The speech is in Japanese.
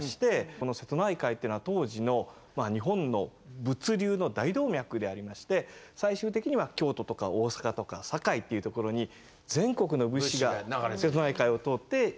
この瀬戸内海っていうのは当時の日本の物流の大動脈でありまして最終的には京都とか大坂とか堺っていう所に全国の物資が瀬戸内海を通っていくと。